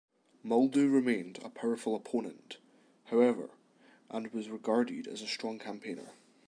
Muldoon remained a powerful opponent, however, and was regarded as a strong campaigner.